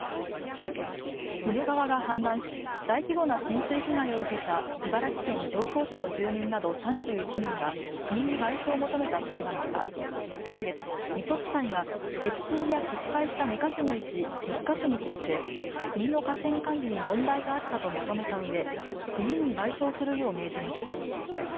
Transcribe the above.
鬼怒川が氾濫し大規模な浸水被害を受けた茨城県常総市の住民など３１人が国に賠償を求めた裁判では先月、水戸地裁が越水や決壊した２か所のうち１か所について国の河川管理に問題があったと認めたうえ国に賠償するよう命じました。